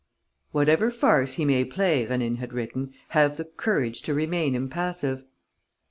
"Whatever farce he may play," Rénine had written, "have the courage to remain impassive."